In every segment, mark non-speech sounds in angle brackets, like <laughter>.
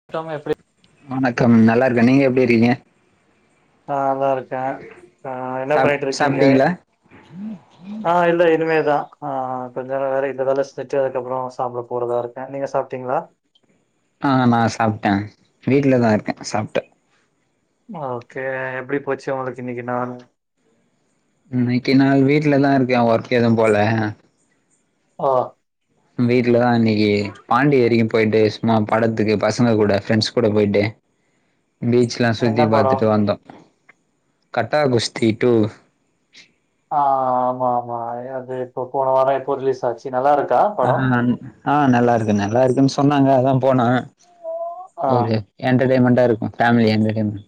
<unintelligible> வணக்கம் நல்லாருக்க நீங்க எப்டி இருக்கீங்க ஆ நல்லாருக்க ஆ என்ன பண்ணிட்டு இருக்கீங்க உம் ஆ இல்ல இனிமேதா ஆ கொஞ்ச வேல இந்த வேல செஞ்சட்டு அதுக்கப்பற சாப்ட போறதா இருக்கு நீங்க சாப்ட்டீங்ளா ஆ நா சாப்ட்ட வீட்லதா இருக்க சாப்ட்ட ஓகே எப்படி போச்சு உங்களுக்கு இன்னைக்கு நாளு இன்னைக்கு நாள் வீட்லதா இருக்க ஒர்க எது போல ஓ வீட்லதா இன்னைக்கு பாண்டி வரிக்கு போய்ட்டு சும்மா படத்துக்கு பசங்க கூட ஃப்ரெண்ட்ஸ் கூட போய்ட்டு பீச்லா என்ன சுத்தி படோ பாத்துட்டு வந்தோ கட்டா குஸ்தி டூ ஆ ஆமா மா அது இப்போ போன வார எப்போ ரிலீஸ் ஆச்சு நல்லாருக் ஆ ஆ நல்லாருக்கு நல்லாருக்குன் சொன்னாங்க அதா போன ஆ ஒரு என்டர்டைன்மென்டா இருக்கு பேமிலி என்டர்டைன்மென்ட்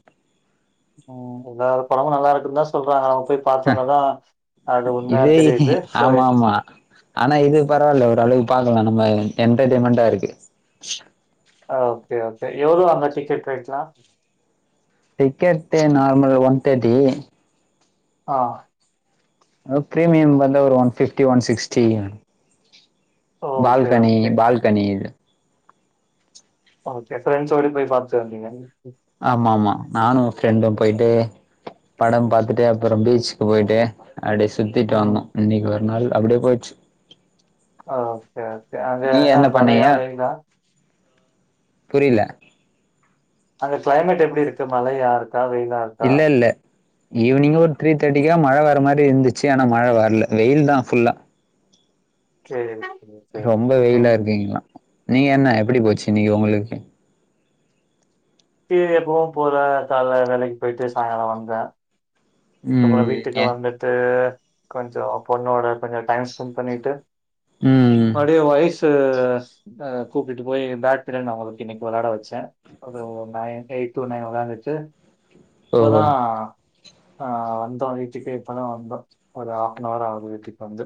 ம் எல்லா படமு நல்லாருக்குன்னுதா சொல்றாங்க அவங்க போய் பாத்தோனதா அது உண்மையா இதே தெரியுது சோ ஆமா ஆமா ஆனா இது பரவால்ல ஒரு அளவுக்கு பாக்லா நம்ம என்டர்டையின்மெண்டா இருக்கு ஆ ஓகே ஓகே எவ்ள அங்க டிக்கெட் ரேட்லா டிக்கெட் நார்மல் ஒன்தேர்ட்டி ஆ ஓகே ன் பாத்தா ஒரு one fifty one sixty okay balcony okay balcony இது ஓகே ஃப்ரண்ட்ஸோட போய் பாத்துட்டு வந்டீங்க ஆமா மா நானு ஃப்ரெண்டு போய்ட்டு படம் பாத்துட்டு அப்ற பீச்க்கு போய்ட்டு அப்டியே சுத்திட்டு வந்தோ இன்னைக்கு ஒரு நாள் அப்டியே போச்சு ஓ ஓகே ஓகே அங்க என்ன மழயா வெயிலா புரில அங்க கிளைமேட் எப்டி இருக்கு மழயாருக்கா வெயிலா இருக்கா? இல்லல்ல ஈவினிங்க் ஒரு த்ரீ தேர்ட்டிக்கா மழ வர மாரி இருந்துச்சு ஆனா மழ வரல வெயில் தா ஃபுல்லா சேரி சேரி சேரி ரொம்ப வெயிலா ம் ம் இருக்கீங்களா நீங்க என்ன எப்டி போச்சு இன்னிக்கி உங்ளுக்கு தீவு எப்பவு போற தால வேலைக்கு போய்ட்டு சாயங்கால வந்த ம் வீட்டுக்கு ஏ வந்துட்டு கொஞ்சோ பொண்ணோட கொஞ்சோ டைம் ஸ்பென்ட் பண்ணிட்டு ம் இது வயசு கூப்ட்டுட்டு போய் பேட்மிட்டன் நா அவங்களுக்கு இன்னைக்கு விளாட வச்ச அது நைன் எயிட் டூ நைன் ஒக்காந்துருச்சு ஓ இப்பதா ஆ வந்தோ வீட்டுக்கு இப்பதா வந்தோ ஒரு ஹாஃப்னவர் ஆவுது வீட்டுக்கு வந்து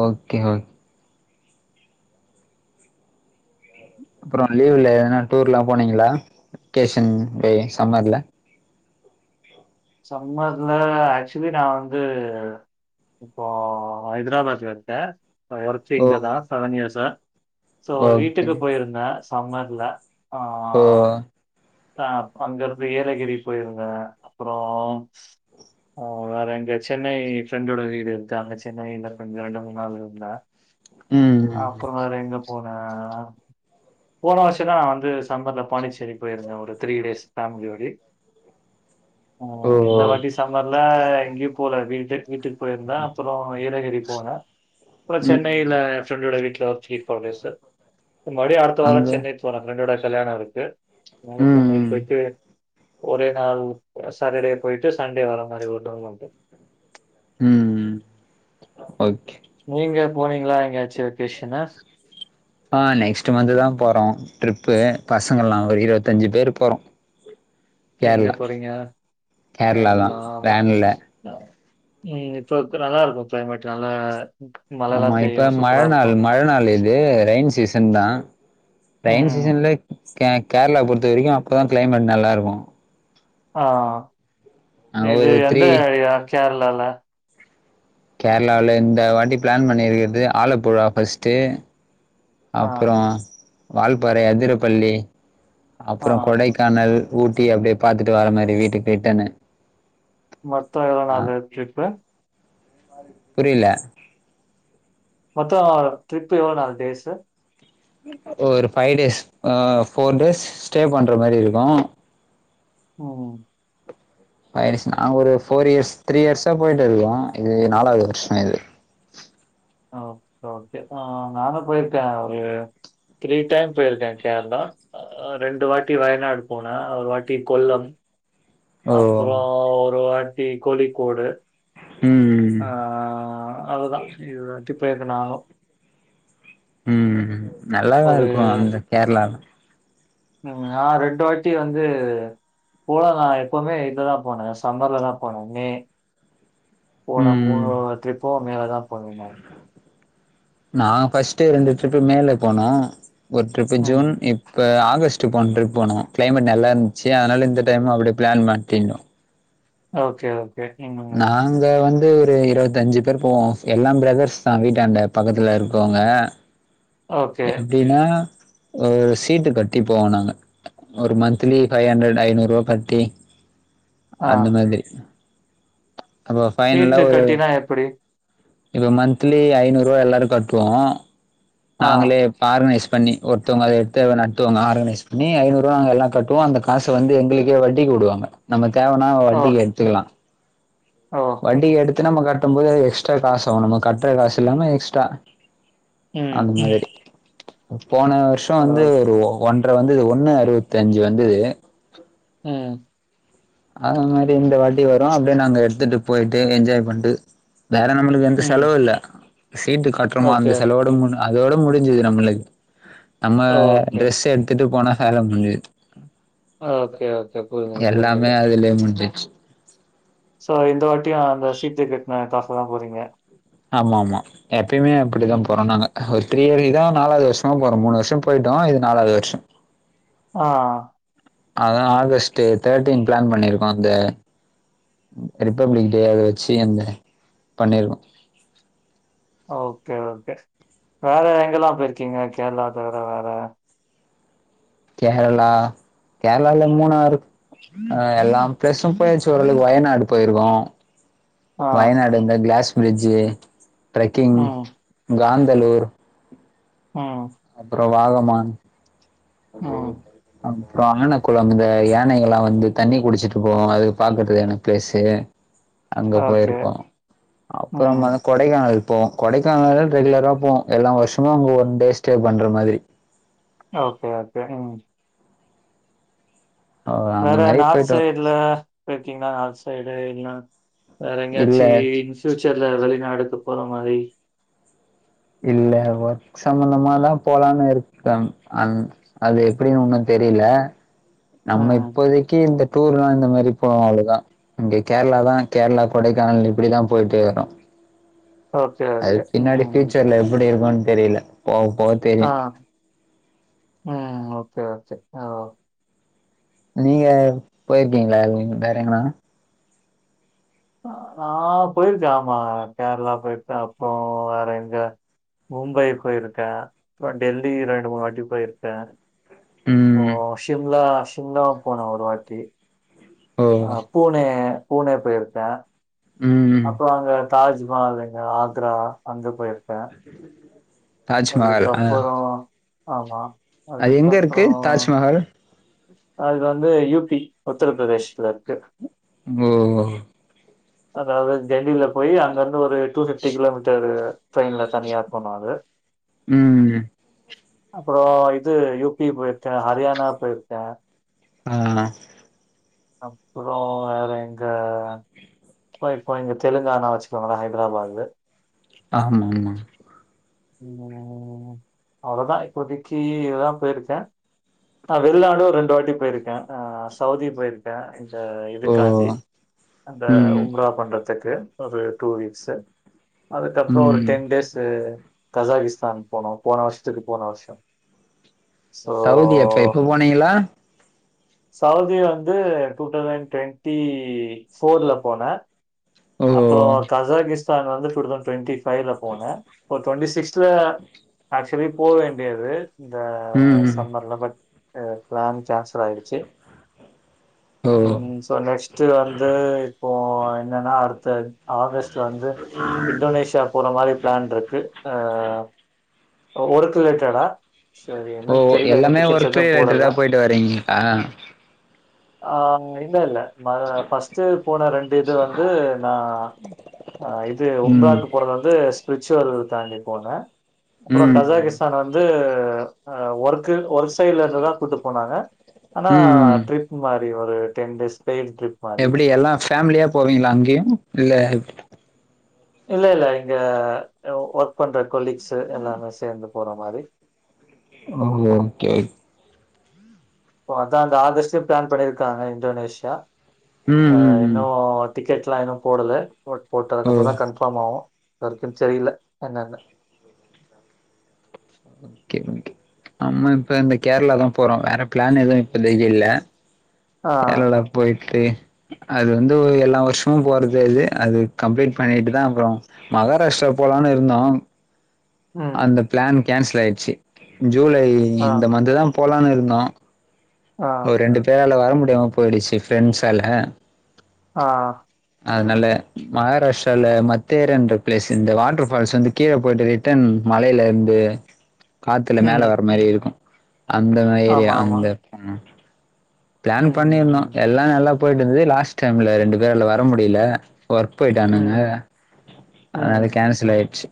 ஓகே ஓ அப்றோ லீவ்ல எதுனா டூர்லா போனீங்ளா வெகேஷன் டே சம்மர்ல சம்மர்ல ஆக்சுவலி நா வந்து இப்போ ஹைதராபாத்ல இருக்கே ஒர்க் ஓ இங்கதா செவன் இயர்ஸ்ஸா ஸோ ஓகே வீட்டுக்கு போய்ருந்தே சம்மர்ல ஓ ஆ அங்கருந்து ஏலகிரி போய்ருந்தே அப்பறோ ஆ வேற எங்க சென்னை ஃப்ரெண்டோட வீடு இருந்தா அங்க சென்னைல கொஞ்சோ ரெண்டு மூண் நாள் இருந்தே ம் ம் அப்பறோ வேற எங்க போனே போன வர்ஷோ நா வந்து சம்மர்ல பாண்டிச்சேரி போயிருந்தே ஒ ரு த்ரீ டேஸ் ஃபேம்லியோடி ஆ ஓ இந்த வாட்டி சம்மர்ல எங்கியு போல வீட்டு வீட்டுக்கு போய்ருந்தே அப்றோ ஏலகிரி போன அப்றோ ம் ம் சென்னைல எ ஃப்ரெண்ட்டோட வீட்ல ஒரு த்ரீ ஃபோர் டேஸ்ஸு மறுப்டியு அடுத்த வாரோ அங்க சென்னை போன ஃப்ரெண்டோட கல்யாணோ இருக்கு அதனால ம் சென்னை ம் போய்ட்டு ஒரே நாள் சாட்டர்டே போயிட்டு சண்டே வர மாரி ஒர் நாள் மட்டு ம் ம் ஓகே நீங்க போனீங்களா எங்கயாச்சு வெகேஷனு ஆ நெக்ஸ்ட்டு மன்த்து தா போறோ ட்ரிப்பு பசங்கள் நாங்க ஒரு இருவத்தஞ்சு பேர் போறோ எங்க கேரளா போறீங்க கேரளா தா கேர்ளாவா வேன்ல ம் இப்பக்கு நல்லாருக்கு கிளைமேட் நல்ல ஆமா இப்ப மழநாள் மழநாள் இ து ரயின் சீசன் தா ரயின் ம். சீசன்ல கே கேர்ளா பொறுத்த வரைக்கு அப்பதா கிளைமேட் நல்லாருக்கு ஆ ஆ ஒரு இது எந்த த்ரீ ஏரியா கேர்ளால கேர்ளால இந்த வாட்டி ப்ளான் பண்ணிருக்றது ஆலப்புழா ஃபர்ஸ்ட்டு ஆ, அப்றோ வால்பாறை அதிரப்பள்ளி அப்றோ ஆ. கொடைக் காணல் ஊட்டி அப்டியே பாத்துட்டு வர மாரி வீட்டுக்கு ரிட்டன்னு மொத்த எவ்ளோ நாளு ட்ரிப்பு புரில மொத்தோ ட்ரிப்பு எவ்ளோ நாலு டேஸ்சு ஒரு ஃபைவ் டேஸ் ஆ ஃபோர் டேஸ் ஸ்டே பண்ற மாரி இருக்கு ம் ஃபை இயர்ஸ் நாங்க ஒரு ஃபோர் இயர்ஸ் த்ரீ இயர்ஸா போய்ட்ருக்கே இது நாலாவ்து வர்ஷோ இது ஆ ஓகே நானு போய்ருக்கே ஒரு த்ரீ டைம் போயிருக்கே கேர்ளா ஆ ரெண்டு வாட்டி வயநாடு போனே ஒரு வாட்டி கொல்லம் ஓ அப்பறோ ஒரு வாட்டி கோழிக்கோடு ம் ம் ஆஅதுதா <unintelligible> வாட்டி போயிருக்கே நானு ம் ஹும் நல்லா ஒரு தாருக்கு அந்த கேர்ளால ம் நா ரெண்டு வாட்டி வந்து போல நா எப்பவுமே இதுதா போனே சம்மர்ல தா போனே மே போன மூணு ம் ட்ரிப்பு மேலதா போனீங்க நாங்கள் ஃபர்ஸ்ட்டு ரெண்டு ட்ரிப்பு மே ல போனோ ஒரு ட்ரிப்பு ஜூன் ம். இ ப்ப ஆகஸ்ட் போன ட்ரிப் போனோ கிளைமேட் நல்லா இருந்துச்சு அதனால இந்த டைமும் அப்டிய பிளான் மாட்டிருந்தோ ஓகே ஓகே ம் அங்க வந்து ஒரு இருவத்த அஞ்சு பேர் போவோ எல்லாம் பிரதர்ஸ் தா வீட்டான்ட பக்கத்துல இருக்கவங்க ஓகே டின்னா ஒரு சீட்டு கட்டி போவோ நாங்க ஒரு மந்த்லி பைவ் ஹண்ட்ரட் ஐநூறு ரூபா கட்டி ஆ. அந்த மாதிரி அப்போ பைனல்லா சீட்டு ஒரு கட்டினா எப்படி? இப்போ மந்த்லி ஐநூறு ரூவா எல்லாரு கட்டுவோ ஆ, நாங்களே ஆர்கனைஸ் பண்ணி ஒருத்தவங்க அத எடுத்து நட்டுவாங்க ஆர்கனைஸ் பண்ணி ஐநூறு ரூவா நாங்க எல்லா கட்டுவோ அந்த காச வந்து எங்களுக்கே வட்டிக்கு வுடுவாங்க நம்ம தேவைனா ஓ, வட்டிக்கு எடுத்துக்கலா ஓ வட்டிக்கு எடுத்து நம்ம கட்டும் போது எக்ஸ்ட்ரா காச ஆவு நம்ம கட்டுற காசு இல்லாம எக்ஸ்ட்ரா ம், அந்த மாரி போன வருஷோ ஓ, வந்து ஒரு ஒன் ற வந்துது ஒன்னு அறுவத்தி அஞ்சு வந்துது ம் அது மாரி இந்த வாட்டி வரு அப்டியே நாங்க எடுத்துட்டு போயிட்டு என்ஜாய் பண்ணிட்டு வேற நம்மளுக்கு எந்த ம். செலவு இல்ல சீட்டு கட்டுறோமோ ஓகே, அந்த செலவோட மூடு அதோட முடிஞ்சுது நம்மளுக்கு நம்ம ஓகே, ட்ரெஸ் எடுத்துட்டு போனா வேல முடிஞ்சுது ஓகே ஓக் எல்லாமே அதுலயே முஞ்சிச்சு சோ இந்த வாட்டியு அந்த சீட்டு கட்ன காசுலதா போறீங்க ஆமா ஆமா எப்பயுமே அப்டித்தான் ம். போறோ நாங்க ஒரு த்ரீ இயர்க்கு இதா நாலது வருஷமா போ ஒரு மூணு வருஷ போயிட்டோ இது நாலாவது வருஷ ஆ அதா ஆகஸ்ட்டு தேர்ட்டீன் பிளான் பண்ணிருக்கோ அந்த ரிபப்ளிக் டே அத வச்சு அந்த பண்ணிருக்கோ ஓகே ஓகே வேற எங்கல்லாம் போயிருக்கீங்க கேரளா தவிர வேற கேரளா கேரளால மூணாரு அ எல்லா பிளேஸு போயாச்சு ஓரளவுக்கு வயநாடு போயிருக்கோ ஆ, வயநாடுந்த க்ளாஸ் பிரி்ஜு டிரெக்கிங் ம், காந்தலூர் ம் அப்புற வாகமான் ம். அப்புறம் ஆனக்குளம் இந்த யானைகள் எல்லா வந்து தண்ணி குடிச்சிட்டு போவோ அதுக்கு பாக்குறதுக்கான பிளேசு அங்க ஓகே, போயிருக்கோ ம். அப்பறமா கொடைக்கானல் போம் கொடைக்கானல ரெகுலராக போவோ எல்லா வருஷமு அங்கே ஒன் டே ஸ்டே பண்ணுற மாதிரி ஓகே ஓகே ம் ஆ அந்த வேற மாரி நார்த் போயிட்டு வரோ சைடுல போய்ருக்கீங்களா நார்த் சைடு இல்னா வேற எங்கயாச்சி இல்ல ஃப்யூச்சர்ல் வெளிநாடுக்கு போற மாரி இல்ல ஒர்க் சம்பந்தமாதான் போலான்னு இருக்க அந் அது எப்டின்னு உண்ணு தெரியல நம்ம ம். இப்போதைக்கி இந்த டூர் எலாம் இந்த மாரி போற ஆளுதா இங்கே கேரளா தா கேர்ளா கொடைக்கானல் இப்டிதா போயிட்டு வரோ ஓகே, அது ஓகே. பின்னாடி ம். ஃப்யூச்சர்ல எப்டி இருக்குன் தெரியல போக போக ஆ தெரியு ம் ஓகே ஓகே ஓ நீங்க போயிருக்கீங்ளா இங் வேற எங்கனா நா போயிருக்கே ஆமா கேரளா போயிருக்கே அப்றோ வேற எங்க மும்பை போயிருக்கே அப்றோ டெல்லி ரெண்டு மூணு வாட்டி போயிருக்கே ஓ ம் ஷிம்லா ஷிம்லாவு போனே ஒரு வாட்டி ஓ அ பூனே பூனே போயிருக்கே ம் அப்றோ அங்க தாஜ்மஹால் எங்க ஆக்ரா அங்க போயிருக்கே தாஜ்மஹால் ஆ அதுக்கப்பறோ ஆமா அது எங்க இருக்கு அதுக்கப்புறம் தாஜ்மஹால் அது வந்து யு பி உத்தரப்பிரதேஷ்ல இருக்கு ப்ரோ அதாவ்து டெல்லில போய் அங்கருந்து ஒரு டூ ஃபிஃப்டி கிலோமீட்டரு ட்ரெயின்ல தனியா போனாது ம் அபறோ இது யு பி போயிருக்கே ஹரியானா போயிருக்கே ஆ அப்றோ வேற எங்க போயிருப்போ இங்க தெலுங்கானா வச்சுக்கோங்களே ஹைட்ராபாத்து ஆமாம்மா ம் அவ்ளதா இப்போதைக்கி இதுதா போயிருக்கே ஆ வெளிநாடு ரெண்டு வாட்டி போயிருக்கே ஆ சவுதி போயிருக்கே இந்த ஓ இதுக்காண்டி அந்த ம் உம்ரா பண்றத்துக்கு ஒரு டூ வீக்ஸு அதுக்கப்பறோ ஒரு ம் டென் டேஸு கசாகிஸ்தான் போனோ போன வர்ஷத்துக்கு போன வர்ஷ சவுதி எப்ப இப்ப போனீங்களா சவுதி வந்து டூ தௌசண்ட் டுவெண்ட்டி போஃர்ல போனே ஓ அப்பறோ கசாகிஸ்தான் வந்து டூ தௌசண்ட் டுவெண்டி ஃபைல போனே இப்ப டுவெண்ட்டி சிக்ஸ்த்ல ஆக்சுவலி போக வேண்டியது இந்த ம் ம் சம்மர்ல பட் அ பிளான் கேன்சல் ஆயிருச்சு ஓ ம் சோ நெக்ஸ்ட் டு வந்து இப்போ என்னனா அடுத்த ஆகஸ்ட் வந்து இன்டோனேஷியா போற மாரி பிளான் இருக்கு ஆ அ ஒர்க்கு ரிலேட்டடா சார் ஓ இன்னு தெரியல இன்னு எல்லாமே டிக்கெட்ஸ் ஒர்க் எது ரிலேட்டடா போடல போயிட்டு வரீங்களா ஆ இன்ன இல்ல மக ஃபஸ்ட்டு போன ரெண்டு இது வந்து நா ஆ இது ம் உம்ராக்கு போறது வந்து ஸ்பிரிச்சுவல் தாண்டி போனே அப்றோ ம் கசாகிஸ்தான் வந்து அ ஒர்க்கு ஒர்க்ஸ் டெய்லருந்துதா கூட்டு போனாங்க ஆனா ம் ட்ரிப்பு மாரி ஒரு டென் டேஸ் ஸ்டெய்ல் ட்ரிப் மாரி எப்டி எல்லா ஃபேம்லியா போவீங்ளா அங்கேயு இல்ல இல்ல இல்ல இங்க அ ஒர்க் பண்ற கொலீக்ஸ்சு எல்லாருமே சேந்து போற மாரி ஓ ஓகே சோ அதா இந்த ஆகஸ்ட்டு பிளான் பண்ணிருக்காங்க இந்தோனேஷியா ம் ஆ ம் இன்னு ம் டிக்கெட்லா இன்னு போடல போட் ஓ போட்டதுக்கப்பறந் தா கன் ஃபாமாவு‌ இதுவரைக்கு தெரியல என்னன்னு ஓகே நம்ம இப்ப இந்த கேரளா தா போறோ வேற பிளான் எதுவு இப்பதைக்கு இல்ல ஆ கேரளா போயிட்டு அது வந்து ஒரு எல்லா வருஷமு போறது அது அது கம்ப்ளீட் பண்ணிட்டு தா அப்பறோ மகாராஷ்டிரா போலான்னு இருந்தோ ம் அந்த பிளான் கேன்சல் ஆயிருச்சு ஜூலை ஆ இந்த மந்த்து தா போலானு இருந்தோ ஆ ஒரு ரெண்டு பேரால வர முடியாம போயிடுச்சு ஃபிரெண்ட்ஸ்ஸால ஆஹ் அதனால மகாராஷ்டிரல மத்தேரன்ற பிளேஸ்சு இந்த வாட்டர்ஃபால்ஸ் வந்து கீழ போயிட்டு ரிட்டன் மலேலருந்து காத்துல மேல ம் வர மாரியே இருக்கு அந்த மா ஏரியா ஆமா ஆமா அந்த ம் பிளான் பண்ணிருந்தோ ம் எல்லா நல்லா போயிட்டு இருந்தது லாஸ்ட் டைம்ல ரெண்டு பேரால வர முடியல ஒர்க் ம் போயிட்டானுங்க ம் ம். அதனால கேன்சல் ஆயிருச்சு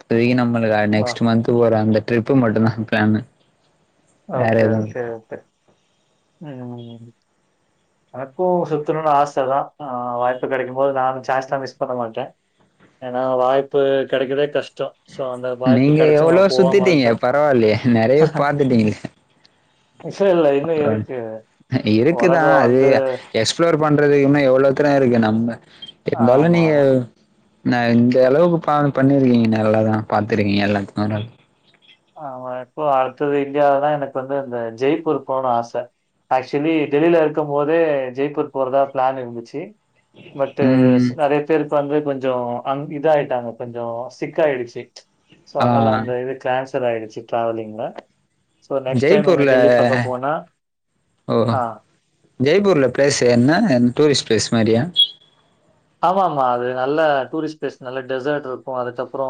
இப்பதைக்கு நம்மளுக்கு அ ஆ. நெக்ஸ்ட் மந்த்து போற அந்த ட்ரிப்பு மட்டுதா பிளான்னு ஓகே ஓகே ஓகே ம் எனக்கு சுத்தணுனு ஆச தா ஆஹ் வாய்ப்பு கெடைக்கு போது நானு சான்ஸ் அ மிஸ் பண்ண மாட்டே ஏனா வாய்ப்பு கெடைக்கிறதே கஷ்டோ சோ அந்த நீங்க எவ்ளோ சுத்திட்டீங்க விட்டா பரவால்லையே நெறைய பாத்துட்டீங்கள விசய இல்ல இன்னு இருக்கு உலகோ இருக்குதான் அது வந்து எக்ஸ்ப்ளோர் பண்றதுக்கு இன்னு எவ்ளோ தூரோ இருக்கு நம்ம டோலனியோ ஆமாமா. நா இந்த அளவுக்கு பிளானு பண்ணியிருக்கீங்க நல்லாதா பாத்திருக்கீங்க எல்லாத்து ஆனாலு ஆமா இப்போ அடுத்தது இந்தியாவதான் எனக்கு வந்து அந்த ஜெய்ப்பூர் போகனு ஆச ஆக்சுவலி டெல்லில இருக்கு போதே ஜெய்ப்பூர் போறதா பிளான் இருந்துச்சு பட் டு ஸ் ம் நெறைய பேருக்கு வந்து கொஞ்சோ அங் இதாயிட்டாங்க கொஞ்சோ சிக்காயிடுச்சு சோ ஆ அதனால அந்த இது கேன்சல் ஆயிடுச்சு டிராவலிங்ல சோ நெக்ஸ்ட் டைம் நாங்க ஜெய்ப்பூர்ல டெல்லி பக்கோ போனா ஓ ஆ ஜெய்ப்பூர்ல பிளேஸ் என்ன டூரிஸ்ட் பிளேஸ் மாரியா ஆமா ஆமா அது நல்ல டூரிஸ்ட் பிளேஸ் நல்ல டெசர்ட் இருக்கு அதுக்கப்பறோ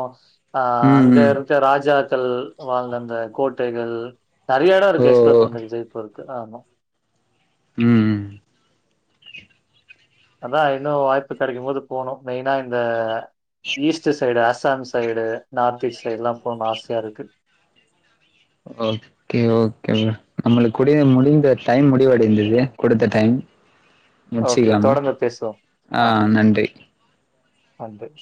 அஹ் ம் அங்க ம். இரு ந்த ராஜாக்கள் வாழ்ந்த அந்த கோட்டைகள் நெறைய எடோ ஓ இருக்கு எக்ஸ்ப்ளோர் பண்றதுக்கு ஜெய்பூர் து ஆமா ம் அதா இன்னு வாய்ப்பு கெடைக்கு போது போணு மெயினா இந்த east side Assam side north east side ல்லா போணு ஆசையா ருக்கு ஓ கே ஓகேங்க நம்மளுக்கு கூடிய முடிந்த டைம் முடிவடைந்தது குடுத்த டைம் ஓகே முடிச்சுக்கலாமா தொடர்ந்து பேசுவோ ஆ நன்றி